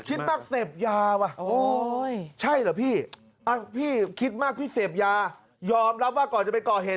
คิดมากเสพยาว่ะใช่เหรอพี่พี่คิดมากพี่เสพยายอมรับว่าก่อนจะไปก่อเหตุ